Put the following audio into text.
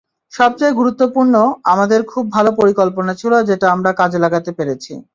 সবচেয়ে গুরুত্বপূর্ণ, আমাদের খুব ভালো পরিকল্পনা ছিল, যেটা আমরা কাজে লাগাতে পেরেছি।